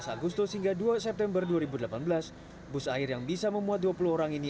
tujuh belas agustus hingga dua september dua ribu delapan belas bus air yang bisa memuat dua puluh orang ini